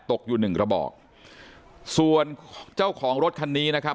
ตกอยู่หนึ่งกระบอกส่วนเจ้าของรถคันนี้นะครับ